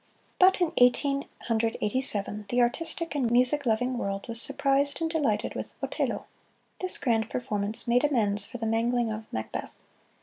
But in Eighteen Hundred Eighty seven, the artistic and music loving world was surprised and delighted with "Otello." This grand performance made amends for the mangling of "Macbeth."